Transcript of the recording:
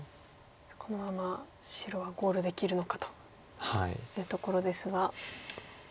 このまま白はゴールできるのかというところですが。